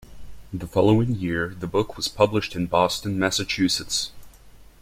The following year, the book was published in Boston, Massachusetts.